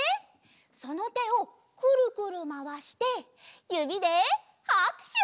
そのてをくるくるまわしてゆびではくしゅ！